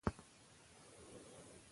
د خیبر لاره باید خلاصه وساتئ.